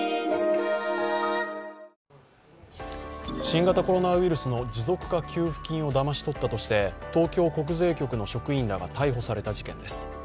新型コロナウイルスの持続化給付金をだまし取ったとして東京国税局の職員らが逮捕された事件です。